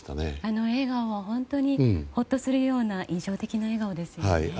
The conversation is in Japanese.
あの笑顔は本当にほっとするような印象的な笑顔ですよね。